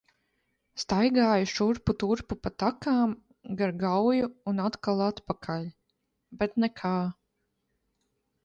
Staigāju šurpu turpu pa takām, gar Gauju un atkal atpakaļ, bet nekā.